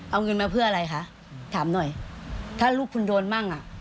เอาเงินมาเพื่ออะไรคะถามหน่อยถ้าลูกคุณโดนมั่งอ่ะ